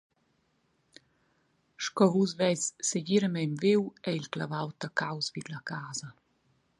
Sco vus veis segiramein viu, ei il clavau taccaus vid la casa.